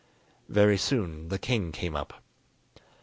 Very soon the king came up.